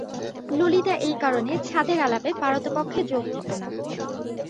ললিতা এই কারণে এই ছাতের আলাপে পারতপক্ষে যোগ দিত না।